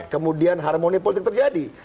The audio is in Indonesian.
kemudian harmoni politik terjadi